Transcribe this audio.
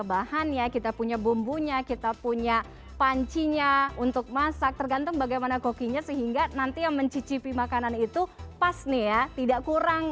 bahannya kita punya bumbunya kita punya pancinya untuk masak tergantung bagaimana kokinya sehingga nanti yang mencicipi makanan itu pas nih ya tidak kurang